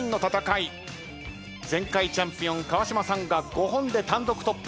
前回チャンピオン川島さんが５本で単独トップ。